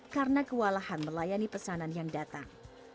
karena kewalahan melayani pesanan yang datang